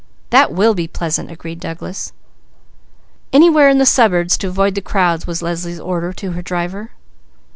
"That will be pleasant," agreed Douglas. "Anywhere in the suburbs to avoid the crowds," was Leslie's order to her driver.